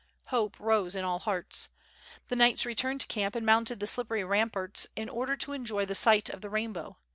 Hope rose in all hearts. The knights returned to camp and mounted the slippery ramparts in order to enjoy the sight of the rainbow.